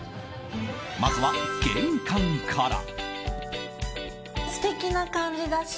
まずは玄関から。